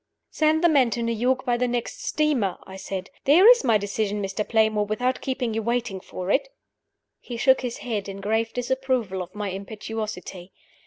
"Send the man to New York by the next steamer," I said. "There is my decision, Mr. Playmore, without keeping you waiting for it!" He shook his head, in grave disapproval of my impetuosity.